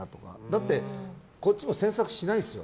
だってこっちも詮索しないですよ。